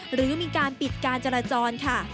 หรือมีการปิดการจราจรค่ะ